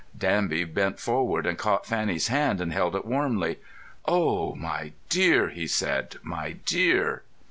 Danby bent forward and caught Fanny's hand, and held it warmly. "Oh, my dear," he said. "My dear."